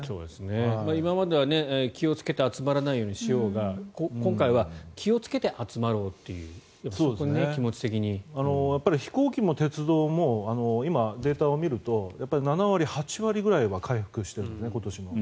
今までは気をつけて集まらないようにしようが今回は気をつけて集まろうというそこに気持ち的に。飛行機も鉄道も今、データを見ると７割、８割ぐらいは回復している、今年も。